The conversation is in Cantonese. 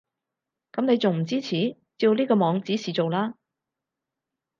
噉你仲唔支持？照呢個網指示做啦